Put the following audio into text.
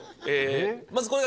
まずこれが。